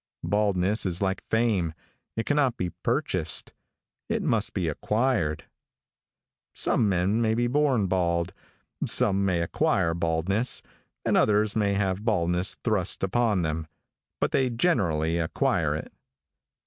Baldness is like fame, it cannot be purchased. It must be acquired. Some men may be born bald, some may acquire baldness, and others may have baldness thrust upon them, but they generally acquire it.